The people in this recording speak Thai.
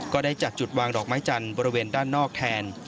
ก็ได้จัดจุดวางดอกไม้จันทร์บริเวณด้านนอกแทน